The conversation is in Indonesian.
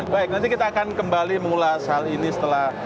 baik nanti kita akan kembali mengulas hal ini setelah